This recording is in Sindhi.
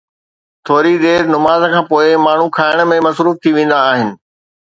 ٿوري دير نماز کان پوءِ ماڻهو کائڻ ۾ مصروف ٿي ويندا آهن.